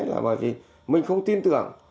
là bởi vì mình không tin tưởng